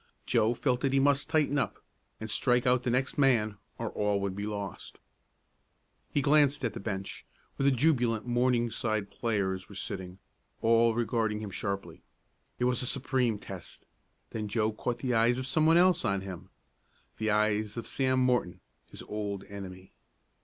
Joe felt that he must tighten up, and strike out the next man, or all would be lost. He glanced at the bench, where the jubilant Morningside players were sitting, all regarding him sharply. It was a supreme test. Then Joe caught the eyes of some one else on him. The eyes of Sam Morton, his old enemy.